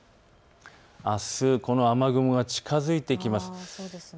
あす、この雨雲が近づいてきます。